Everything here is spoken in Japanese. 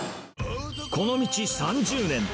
この道３０年。